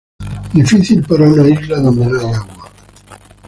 Difícil para una isla donde no hay agua.